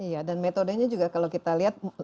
iya dan metodenya juga kalau kita lihat lebih variatif ya